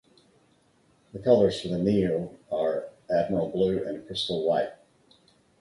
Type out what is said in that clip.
The colors for the Neo are Admiral Blue and Crystal White.